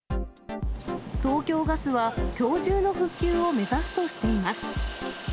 東京ガスはきょう中の復旧を目指すとしています。